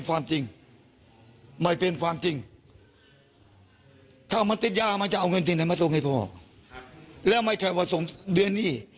อ่ะพ่อไม่เคยทำงานเลย